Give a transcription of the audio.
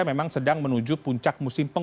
dua januari dua ribu dua puluh tiga